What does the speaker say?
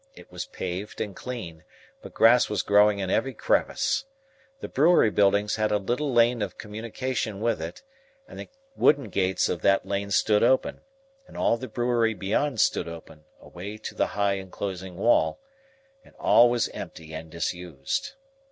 It was paved and clean, but grass was growing in every crevice. The brewery buildings had a little lane of communication with it, and the wooden gates of that lane stood open, and all the brewery beyond stood open, away to the high enclosing wall; and all was empty and disused.